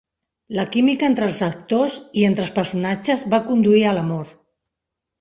La química entre els actors, i entre els personatges, va conduir a l'amor.